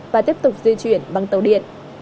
và tiếp tục di chuyển bằng tàu điện